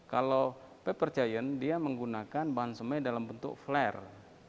kalau paper giant dia menggunakan bahan semai dalam bentuk flare